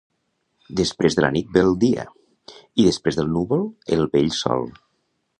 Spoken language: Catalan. Després de la nit ve el dia, i després del núvol el bell sol.